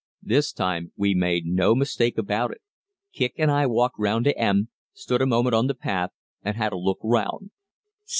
This time we made no mistake about it. Kicq and I walked round to "M," stood a moment on the path, and had a look round.